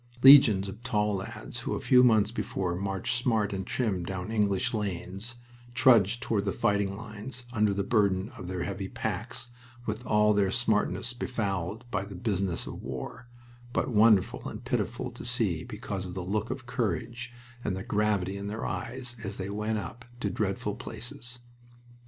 Legions of tall lads, who a few months before marched smart and trim down English lanes, trudged toward the fighting lines under the burden of their heavy packs, with all their smartness befouled by the business of war, but wonderful and pitiful to see because of the look of courage and the gravity in their eyes as they went up to dreadful places.